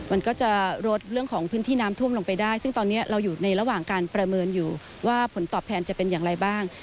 มันก็จะลดเรื่องของพื้นที่น้ำท่วมลงไปได้ซึ่งตอนนี้เราอยู่ในระหว่างการประเมินอยู่ว่าผลตอบแทนจะเป็นอย่างไรบ้าง